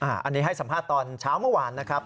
อันนี้ให้สัมภาษณ์ตอนเช้าเมื่อวานนะครับ